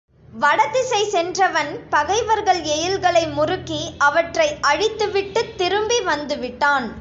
வடதிசை சென்றவன் பகைவர்கள் எயில்களை முருக்கி அவற்றை அழித்துவிட்டுத் திரும்பி வந்துவிட்டான்.